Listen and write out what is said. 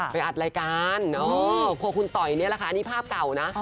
อัดรายการครัวคุณต่อยนี่แหละค่ะนี่ภาพเก่านะ